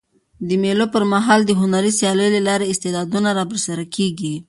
د مېلو پر مهال د هنري سیالیو له لاري استعدادونه رابرسېره کېږي.